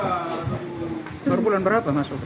baru bulan berapa masyarakatnya